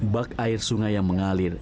bak air sungai yang mengalir